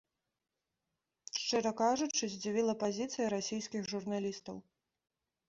Шчыра кажучы, здзівіла пазіцыя расійскіх журналістаў.